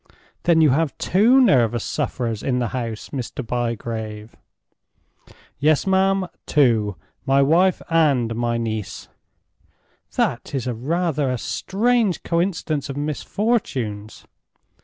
"Then you have two nervous sufferers in the house, Mr. Bygrave?" "Yes, ma'am—two. My wife and my niece." "That is rather a strange coincidence of misfortunes."